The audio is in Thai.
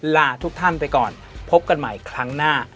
ลาทุกท่านไปก่อนพบกันใหม่ครั้งหน้า